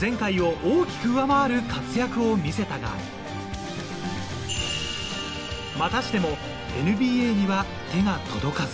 前回大きく上回る活躍を見せたが、またしてもＮＢＡには手が届かず。